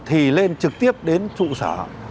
thì lên trực tiếp đến trụ sở